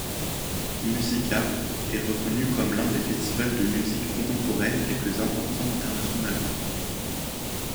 Musica est reconnu comme l'un des festivals de musique contemporaine les plus importants internationalement.